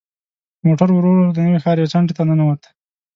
موټر ورو ورو د نوي ښار یوې څنډې ته ننوت.